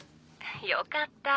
よかった。